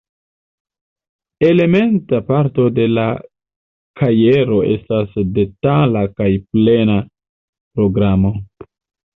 Elementa parto de la kajero estas detala kaj plena programo.